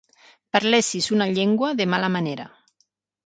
Parlessis una llengua de mala manera.